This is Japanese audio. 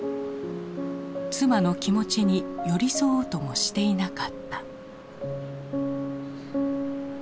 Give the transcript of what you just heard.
妻の気持ちに寄り添おうともしていなかった。